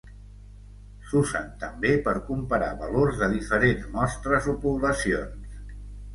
S'usen també per comparar valors de diferents mostres o poblacions.